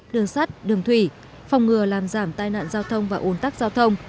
đường sắt đường thủy phòng ngừa làm giảm tai nạn giao thông và ồn tắc giao thông